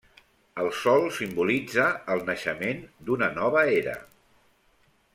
El sol simbolitza el naixement d'una nova era.